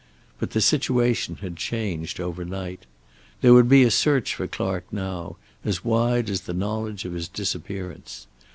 But the situation had changed over night. There would be a search for Clark now, as wide as the knowledge of his disappearance.